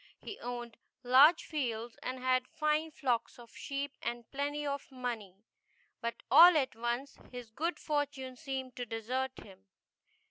He owned large fields, and had fine flocks of sheep, and plenty of money. But all at once his good for tune seemed to desert him.